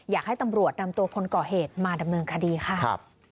อยากให้ตำรวจนำตัวคนก่อเหตุมาดำเนินคดีค่ะ